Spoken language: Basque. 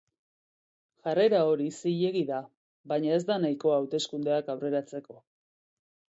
Jarrera hori zilegi da, baina ez da nahikoa hauteskundeak aurreratzeko.